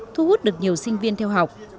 thu hút được nhiều sinh viên theo học